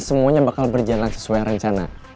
semuanya bakal berjalan sesuai rencana